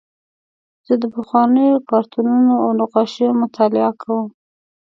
زه د پخوانیو کارتونونو او نقاشیو مطالعه کوم.